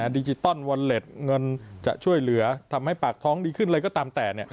ดิจิตอลวอลเล็ตเงินจะช่วยเหลือทำให้ปากท้องดีขึ้นอะไรก็ตามแต่